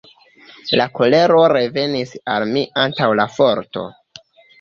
La kolero revenis al mi antaŭ la forto.